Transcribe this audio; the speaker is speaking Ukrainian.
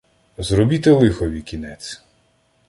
Зробіте лихові кінець.